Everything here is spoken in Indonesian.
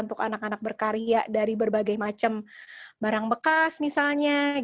untuk anak anak berkarya dari berbagai macam barang bekas misalnya